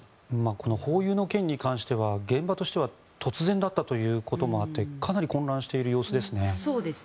このホーユーの件に関しては現場としては突然だったということもあってかなり混乱している様子ですね。